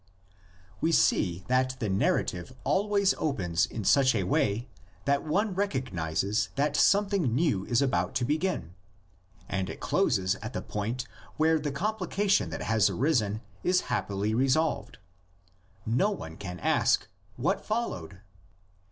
We see that the narrative always opens in such a way that one recognises that something new is about to begin; and it closes at the point where the complication that has arisen is happily resolved: no one can ask, What followed?